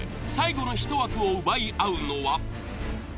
最後のひと枠を奪い合うのは。